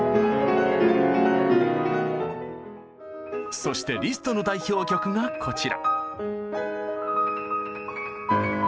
そしてリストの代表曲がこちら。